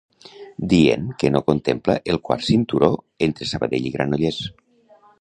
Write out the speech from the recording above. Dient que no contempla el Quart Cinturó entre Sabadell i Granollers